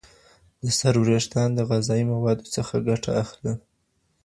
د سر وریښتان د غذایي موادو څخه ګټه اخلي.